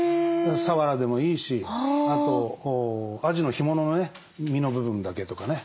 さわらでもいいしあとあじの干物のね身の部分だけとかね。